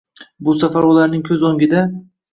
Bu safar ularning ko‘z o‘ngida